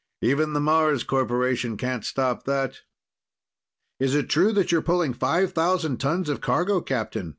"Even the Mars Corporation can't stop that." "Is it true that you're pulling five thousand tons of cargo, Captain?"